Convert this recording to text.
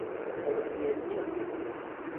خەڵک گێل نییە.